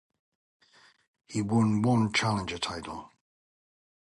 He won one Challenger title.